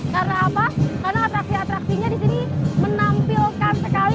karena apa karena atraksi atraksinya di sini menampilkan sekali